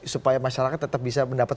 supaya masyarakat tetap bisa mendapat